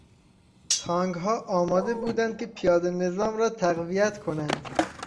تانکها آماده بودند که پیادهنظام را تقویت کنند.